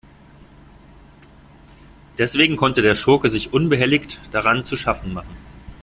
Deswegen konnte der Schurke sich unbehelligt daran zu schaffen machen.